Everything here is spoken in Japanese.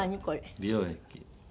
美容液？